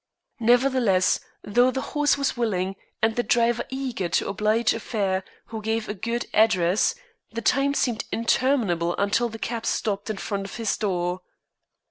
Nevertheless, though the horse was willing and the driver eager to oblige a fare who gave a "good" address, the time seemed interminable until the cab stopped in front of his door.